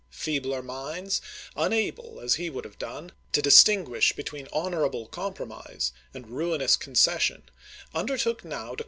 Feebler minds, unable, as he would have done, to distinguish between honorable compro mise and ruinous concession, undertook now to mi.